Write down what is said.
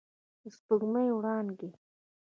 د سپوږمۍ وړانګې